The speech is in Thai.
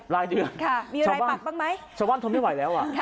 รายเดือนมีรายปักบ้างไหมชาวบ้านทนไม่ไหวแล้วอ่ะ